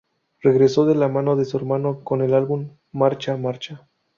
Regresó de la mano de su hermano con el álbum "¡Marcha, marcha!